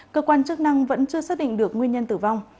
cơ quan chức năng vẫn chưa xác định được nguyên nhân tử vong